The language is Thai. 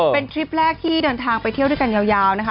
เป็นทริปแรกที่เดินทางไปเที่ยวด้วยกันยาวนะคะ